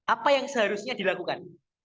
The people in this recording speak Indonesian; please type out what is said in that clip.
apa yang seharusnya dilakukan